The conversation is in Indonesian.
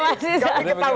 kita beritahu aja